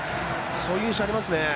そういう印象ありますね。